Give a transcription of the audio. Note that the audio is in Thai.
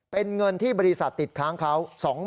เป็นเงินที่บริษัทติดค้างเขา